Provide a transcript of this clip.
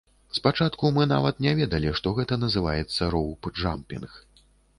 Спачатку мы нават не ведалі, што гэта называецца роўпджампінг.